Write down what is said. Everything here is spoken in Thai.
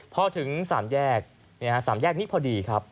พอถึง๓แยก๓แยกนี้พอดีครับ